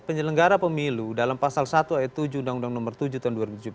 penyelenggara pemilu dalam pasal satu yaitu tujuh uu no tujuh tahun dua ribu tujuh belas